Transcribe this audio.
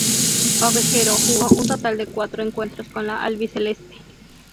Ovejero jugó un total de cuatro encuentros con la albiceleste.